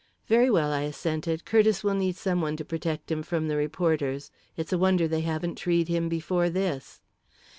"Very well," I assented. "Curtiss will need some one to protect him from the reporters. It's a wonder they haven't treed him before this."